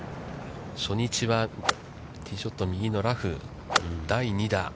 初日はティーショットを右のラフ、第２打。